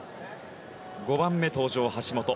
５番目登場の橋本。